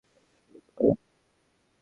আমি সাহায্য করতে পারলাম না।